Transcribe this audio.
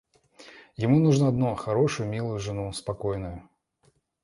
Ему нужно одно — хорошую, милую жену, спокойную.